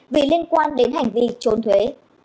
vì liên quan đến hành vi trốn thuế